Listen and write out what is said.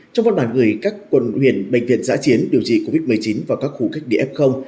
trong văn bản người các quân huyền bệnh viện giã chiến điều trị covid một mươi chín vào các khu cách địa ép không